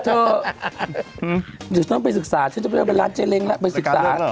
เดี๋ยวฉันต้องไปศึกษาฉันจะไปร้านเจ๊เล้งแล้วไปศึกษา